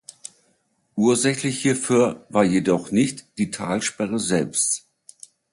Ursächlich hierfür war jedoch nicht die Talsperre selbst.